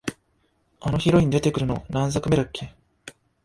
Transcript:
あのヒロイン出てくるの、何作目だっけ？